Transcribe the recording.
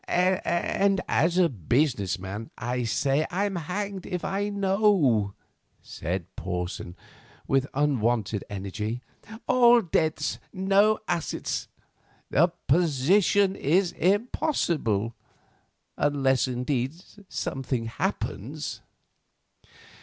"And, as a business man, I say I'm hanged if I know," said Porson, with unwonted energy. "All debts, no assets—the position is impossible. Unless, indeed, something happens."